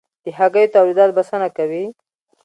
د هګیو تولیدات بسنه کوي؟